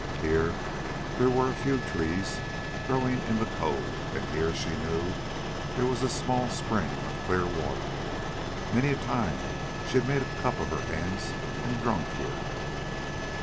Here there were a few trees, growing in the cove, and here, she knew, there was a small spring of clear water. Many a time she had made a cup of her hands and drunk here.